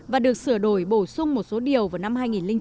và được sửa đổi bổ sung một số điều vào năm hai nghìn chín